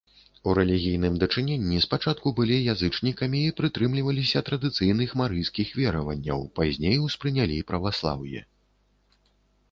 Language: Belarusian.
У рэлігійным дачыненні спачатку былі язычнікамі і прытрымліваліся традыцыйных марыйскіх вераванняў, пазней успрынялі праваслаўе.